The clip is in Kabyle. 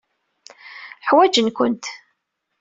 Ḥwajen-kent.